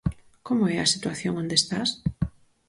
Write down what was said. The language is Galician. Como é a situación onde estás?